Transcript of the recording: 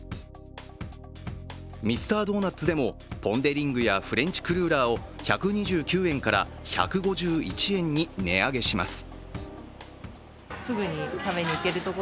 ミスタードーナツでも、ポン・デ・リングやフレンチクルーラーを１２９円から１５１円に値上げします。